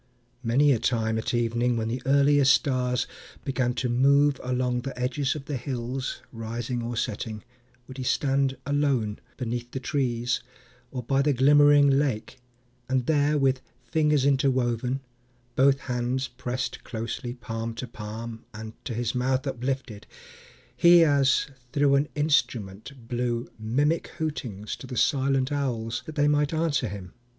many a time, At evening, when the earliest stars began To move along the edges of the hills, Rising or setting, would he stand alone, Beneath the trees, or by the glimmering lake; And there, with fingers interwoven, both hands Pressed closely palm to palm and to his mouth Uplifted, he, as through an instrument, Blew mimic hootings to the silent owls, That they might answer him.